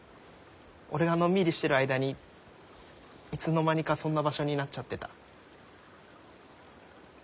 俺がのんびりしてる間にいつの間にかそんな場所になっちゃってた。